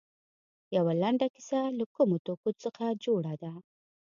یوه لنډه کیسه له کومو توکو څخه جوړه ده.